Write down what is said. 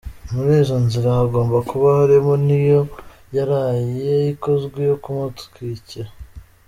Muri izo nzira hagomba kuba harimo n’iyo yaraye ikozwe yo kumutwikira.